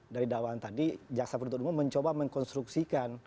dari dakwaan tadi jaksa peruntuk duma mencoba mengkonstruksikan